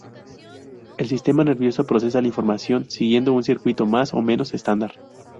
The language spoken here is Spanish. El sistema nervioso procesa la información siguiendo un circuito más o menos estándar.